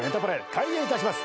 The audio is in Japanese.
開演いたします。